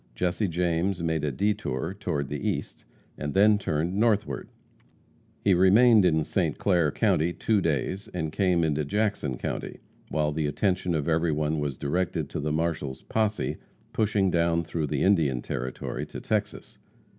Jesse James made a detour toward the east, and then turned northward. He remained in St. Clair county two days, and came into Jackson county while the attention of everyone was directed to the marshal's posse pushing down through the Indian Territory to Texas.